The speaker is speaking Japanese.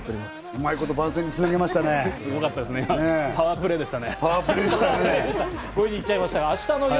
うまいこと番宣につなげましたね。